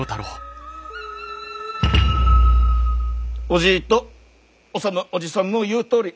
おじぃと修おじさんの言うとおり。